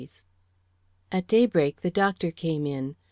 MACBETH. At daybreak the doctor came in.